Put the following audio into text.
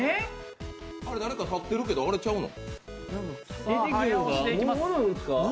あれ、誰か立ってるけどあれ、ちゃうの？